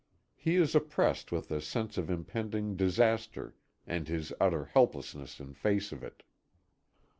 He is oppressed with a sense of impending disaster and his utter helplessness in face of it.